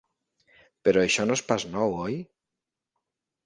Però això no és pas nou, oi?